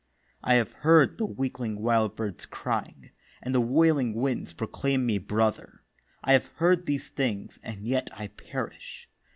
I have heard the weakling Wildbirds crying, And the wailing Winds proclaim me brother. I have heard these things and yet I perish.